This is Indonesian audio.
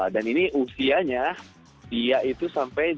dan ini usianya dia itu sampai delapan puluh sembilan tahun